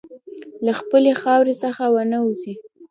له خپلې خاورې څخه ونه وځې.